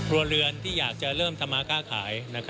เรือนที่อยากจะเริ่มทำมาค้าขาย